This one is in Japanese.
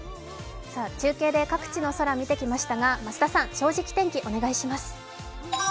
中継で各地の空見てきましたが、増田さん、正直お天気お願いします。